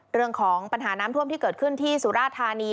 เรื่องของปัญหาน้ำท่วมที่เกิดขึ้นที่สุราธานี